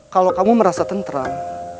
kalau kamu merasa tenteram